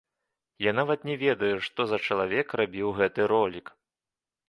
Я нават не ведаю, што за чалавек рабіў гэты ролік.